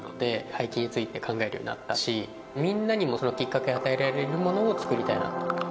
廃棄について考えるようになったしみんなにもそのきっかけを与えられるものをつくりたいな。